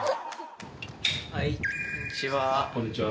はいこんにちは。